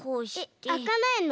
えっあかないの？